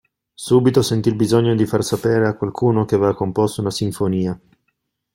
Subito sentì il bisogno di far sapere a qualcuno che aveva composto una sinfonia.